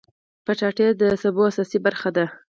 کچالو د سبو اساسي برخه ده